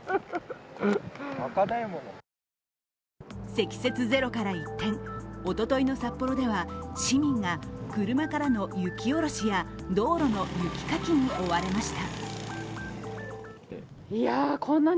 積雪ゼロから一転、おとといの札幌では市民が車からの雪下ろしや道路の雪かきに追われました。